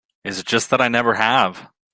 It's just that I never have.